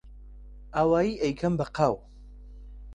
ئاوایی ئەیکەن بە قاو